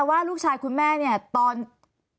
ตอนที่จะไปอยู่โรงเรียนนี้แปลว่าเรียนจบมไหนคะ